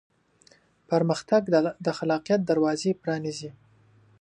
پرمختګ د خلاقیت دروازې پرانیزي.